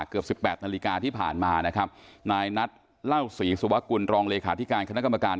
เกือบ๑๘นาฬิกาที่ผ่านมานะครับนายนัดเล่าสีสวกุลรองเลขาที่การคณะกรรมการ